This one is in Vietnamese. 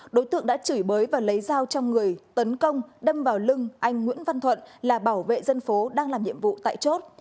đối tượng đã chửi bới và lấy dao trong người tấn công đâm vào lưng anh nguyễn văn thuận là bảo vệ dân phố đang làm nhiệm vụ tại chốt